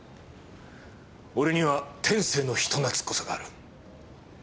俺には天性の人懐っこさがある。